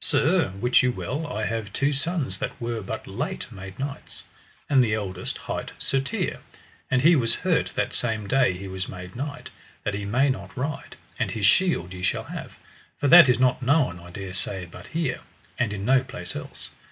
Sir, wit you well I have two sons that were but late made knights, and the eldest hight Sir Tirre, and he was hurt that same day he was made knight, that he may not ride, and his shield ye shall have; for that is not known I dare say but here, and in no place else.